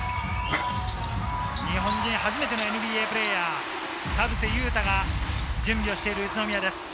日本人初めてのＮＢＡプレーヤー・田臥勇太が準備をしている宇都宮です。